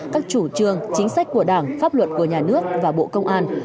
các chủ trương chính sách của đảng pháp luật của nhà nước và bộ công an